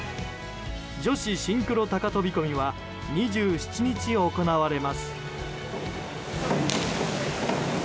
女子シンクロ高飛込は２７日行われます。